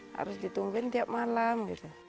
harus ditungguin tiap malam